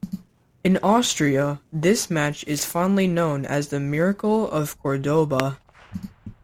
In Austria this match is fondly known as the Miracle of Cordoba.